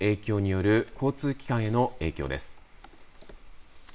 では大雨の影響による交通機関への影響です。